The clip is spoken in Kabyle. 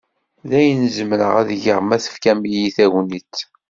D ayen zemreɣ ad geɣ ma tefkam-iyi tagnit.